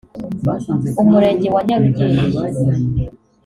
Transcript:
Umurenge wa Nyarugenge